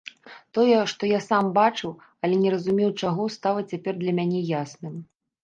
Тое, што я сам бачыў, але не разумеў чаго, стала цяпер для мяне ясным.